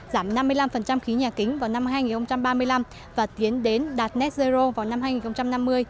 giảm năm mươi năm khí nhà kính vào năm hai nghìn ba mươi năm và tiến đến đạt net zero vào năm hai nghìn năm mươi